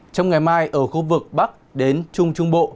trong ngày mai ở khu vực bắc đến trung trung bộ